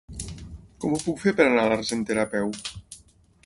Com ho puc fer per anar a l'Argentera a peu?